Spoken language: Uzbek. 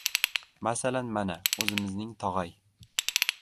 Masalan, mana o‘zimizning Tog‘ay!